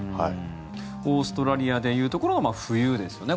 オーストラリアでいうところの冬ですよね。